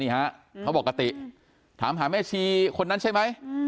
นี่ฮะเขาบอกกับติถามหาแม่ชีคนนั้นใช่ไหม